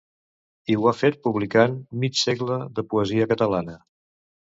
I ho ha fet publicant Mig segle de poesia catalana.